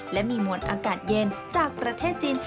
และมีมวลอากาศเย็นจากประเทศจีน